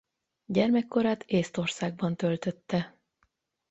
Gyermekkorát Észtországban töltötte.